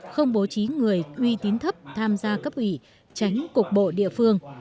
không bố trí người uy tín thấp tham gia cấp ủy tránh cục bộ địa phương